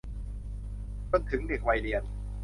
จนถึงเด็กวัยเรียน